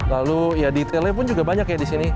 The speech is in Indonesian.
lalu ya detailnya pun juga banyak ya di sini